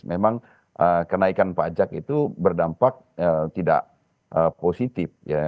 memang kenaikan pajak itu berdampak tidak positif